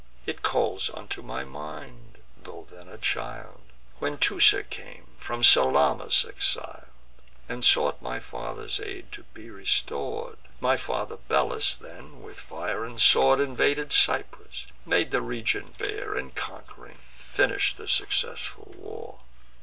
It calls into my mind, tho' then a child, When Teucer came, from Salamis exil'd, And sought my father's aid, to be restor'd: My father Belus then with fire and sword Invaded Cyprus, made the region bare, And, conqu'ring, finish'd the successful war.